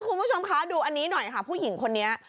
คุณผู้ชมคะดูอันนี้หน่อยค่ะผู้หญิงคนนี้